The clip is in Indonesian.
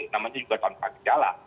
namanya juga tanpa gejala